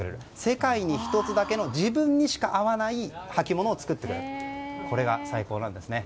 世界に１つだけの自分にしか合わない履き物を作ってくれるとこれが最高なんですね。